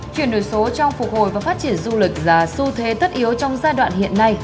chuyển đổi số trong phục hồi và phát triển du lịch là xu thế tất yếu trong giai đoạn hiện nay